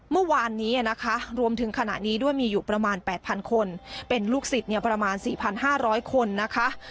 เมื่อวานนี้นะคะรวมถึงขณะนี้ด้วยมีอยู่ประมาณแปดพันคนเป็นลูกศิษย์เนี่ยประมาณสี่พันห้าร้อยคนนะคะ